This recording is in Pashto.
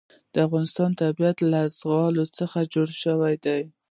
د افغانستان طبیعت له زغال څخه جوړ شوی دی.